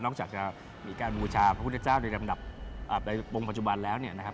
จากจะมีการบูชาพระพุทธเจ้าในลำดับในองค์ปัจจุบันแล้วเนี่ยนะครับ